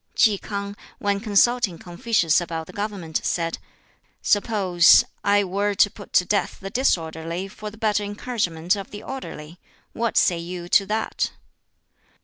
Ki K'ang, when consulting Confucius about the government, said, "Suppose I were to put to death the disorderly for the better encouragement of the orderly what say you to that?"